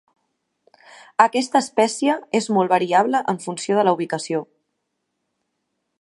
Aquesta espècie és molt variable en funció de la ubicació.